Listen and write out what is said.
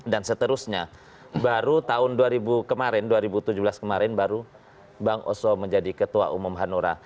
seterusnya baru tahun kemarin dua ribu tujuh belas kemarin baru bang oso menjadi ketua umum hanura